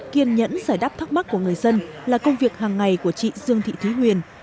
kiên nhẫn giải đáp thắc mắc của người dân là công việc hàng ngày của chị dương thị thúy nguyên